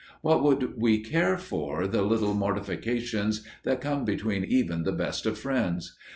What would we care for the little mortifications that come between even the best of friends?